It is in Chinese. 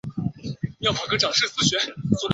奥德雷桑。